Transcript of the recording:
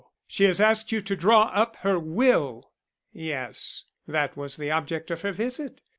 she has asked you to draw up her will!" "Yes. That was the object of her visit.